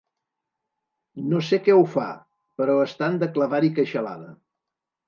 No sé què ho fa, però estan de clavar-hi queixalada.